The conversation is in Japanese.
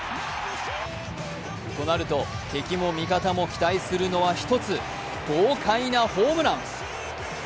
となると敵も味方も期待するのは一つ豪快なホームラン。